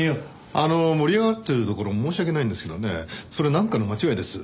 あの盛り上がってるところ申し訳ないんですけどねそれなんかの間違いです。